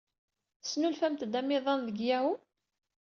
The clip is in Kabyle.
Tesnulfamt-d amiḍan deg Yahoo?